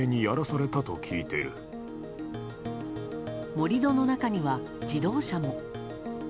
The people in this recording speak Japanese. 盛り土の中には、自動車も。